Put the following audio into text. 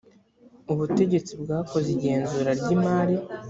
ubutegetsi bwakoze igenzura ry imari